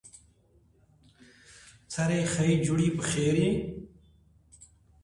Most airlines have also restricted weight allowance since the airplanes are small.